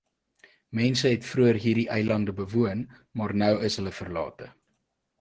Mense het vroeër hierdie eilande bewoon, maar nou is hulle verlate.